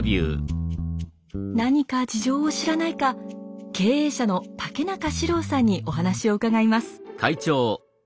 何か事情を知らないか経営者の竹中史朗さんにお話を伺います。